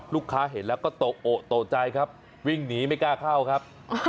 ลูกค้าเห็นแล้วก็โตโอโตใจครับวิ่งหนีไม่กล้าเข้าครับ